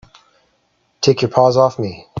Take your paws off me!